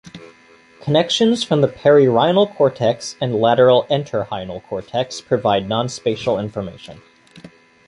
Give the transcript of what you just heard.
Connections from the perirhinal cortex and lateral entorhinal cortex provide nonspatial information.